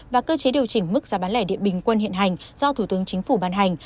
và cơ chế điều chỉnh mức giá bán lẻ điện bình quân hiện hành do thủ tướng chính phủ ban hành